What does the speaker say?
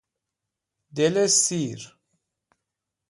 دل سیر